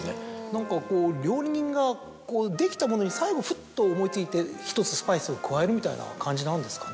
何かこう料理人ができたものに最後ふっと思い付いて１つスパイスを加えるみたいな感じなんですかね。